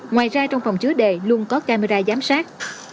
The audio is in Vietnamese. ngoài ra trong phòng chứa đề luôn có camera giám sát